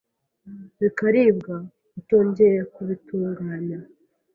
bikaribwa utongeye kubitunganya